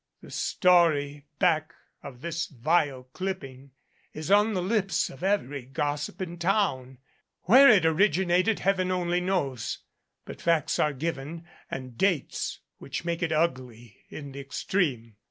The story back of this vile clipping is on the lips of every gossip in town. Where it originated Heaven only knows, but facts are given and dates which make it ugly in the extreme.